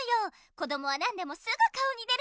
こどもは何でもすぐ顔に出るの。